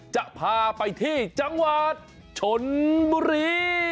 จะพาไปที่จังหวัดชนบุรี